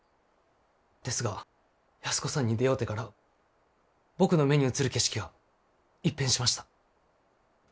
ですが安子さんに出会うてから僕の目に映る景色が一変しました。